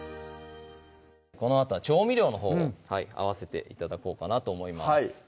このあとは調味料のほうを合わせて頂こうかなと思います